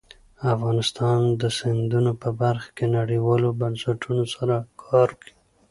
افغانستان د سیندونه په برخه کې نړیوالو بنسټونو سره کار کوي.